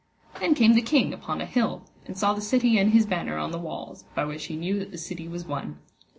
Then came the king upon an hill, and saw the city and his banner on the walls, by which he knew that the city was won.